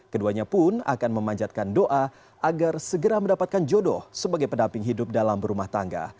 keduanya pun akan memanjatkan doa agar segera mendapatkan jodoh sebagai pendamping hidup dalam berumah tangga